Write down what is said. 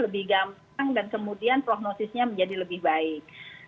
lebih gampang dan kemudian prognosisnya menjadi lebih baik